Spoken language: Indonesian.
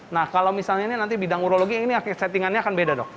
nah kalau misalnya ini nanti bidang urologi ini settingannya akan beda dok